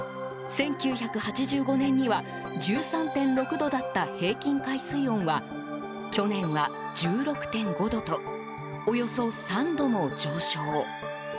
１９８５年には１３．６度だった平均海水温は去年は１６．５度とおよそ３度も上昇。